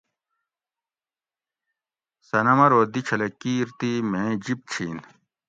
صنم ارو دی چھلہ کیر تی میں جِب چھین